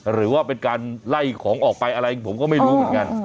หรือว่าเป็นการไล่ของออกไปอะไรผมก็ไม่รู้เหมือนกัน